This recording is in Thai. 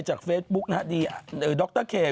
จากเฟสบุ๊คดรเครย์